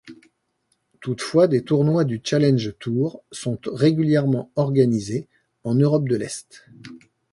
Toutefois des tournois du Challenge Tour sont régulièrement organisé en Europe de l'Est.